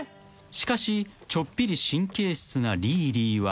［しかしちょっぴり神経質なリーリーは］